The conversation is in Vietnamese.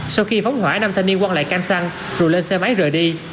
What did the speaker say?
sau khi phóng hỏa năm thanh niên quăng lại can xăng rồi lên xe máy rời đi